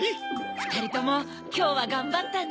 ふたりともきょうはがんばったね。